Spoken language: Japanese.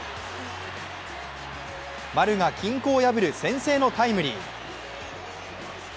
丸が均衡を破る先制のタイムリー。